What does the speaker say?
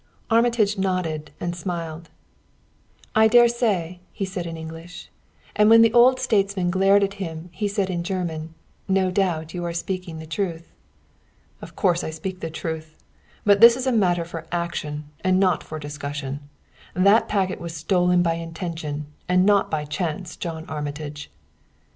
Armitage nodded and smiled. "I dare say," he said in English; and when the old statesman glared at him he said in German: "No doubt you are speaking the truth." "Of course I speak the truth; but this is a matter for action, and not for discussion. That packet was stolen by intention, and not by chance, John Armitage!"